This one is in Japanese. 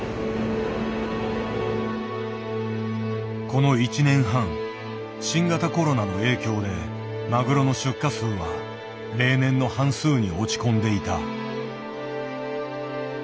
この１年半新型コロナの影響でマグロの出荷数は例年の半数に落ち込んでいた。